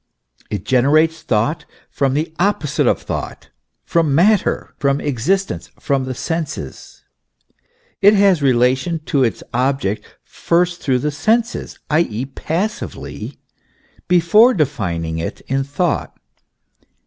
It generates thought from the opposite of thought, from Matter, from existence, from the senses ; it has relation to its ohject first through the senses, i. e., passively, hefore defining it in thought.